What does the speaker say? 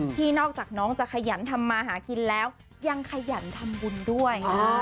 ที่นอกจากน้องจะขยันทำมาหากินแล้วยังขยันทำบุญด้วย